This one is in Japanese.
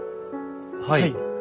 はい。